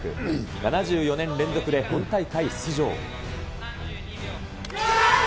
７４年連続で本大会出場。